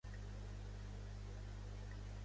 Aquest sender està dividit en tres etapes.